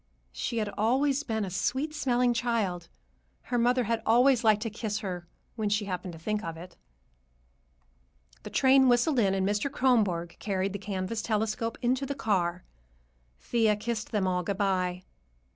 She had always been a sweet smelling child. Her mother had always liked to kiss her, when she happened to think of it. The train whistled in, and Mr. Kronborg carried the canvas "telescope" into the car. Thea kissed them all good bye.